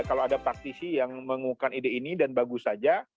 kalau ada praktisi yang mengumumkan ide ini dan bagus saja